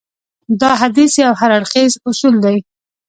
دا حديث يو هراړخيز اصول دی.